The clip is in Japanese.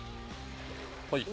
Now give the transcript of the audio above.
はい。